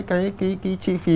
cái chi phí